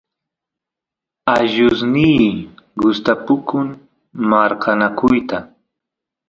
allusniy gustapukun marqanakuyta